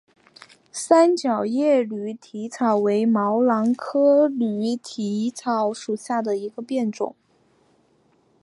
三角叶驴蹄草为毛茛科驴蹄草属下的一个变种。